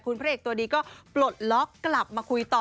พระเอกตัวดีก็ปลดล็อกกลับมาคุยต่อ